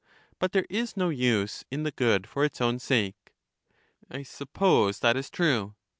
but there is no use in the good for its own sake. 76 LYSIS I suppose that is true.